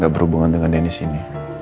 gak berhubungan dengan denny sini